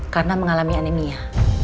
karena mengalami anemia